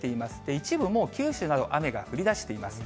一部もう、九州など、雨が降りだしています。